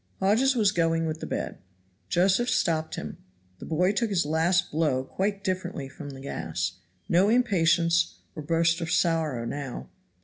Hodges was going with the bed. Josephs stopped him. The boy took this last blow quite differently from the gas; no impatience or burst of sorrow now.